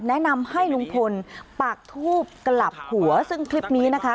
แนะนำให้ลุงพลปากทูบกลับหัวซึ่งคลิปนี้นะคะ